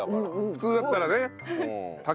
普通だったらね竹串。